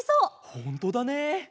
ほんとだね。